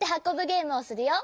ゲームをするよ。